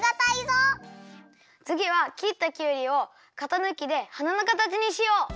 つぎはきったきゅうりをかたぬきではなのかたちにしよう！